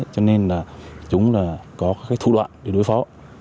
cho nên chúng có các thủ đoạn để đối phó